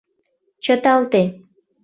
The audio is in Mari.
— Чыталте!